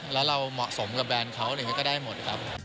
แล้วเราเหมาะสมกับแบรนด์เขาอะไรอย่างนี้ก็ได้หมดครับ